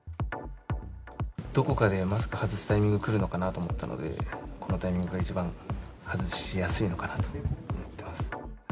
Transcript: どこかでマスク外すタイミング来るのかなと思ったので、このタイミングが一番外しやすいのかなと思ってます。